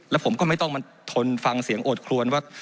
แล้วผมก็ไม่ต้องมาทนฟังเสียงโอดครวนว่า